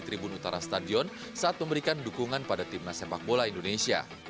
tribun utara stadion saat memberikan dukungan pada timnas sepak bola indonesia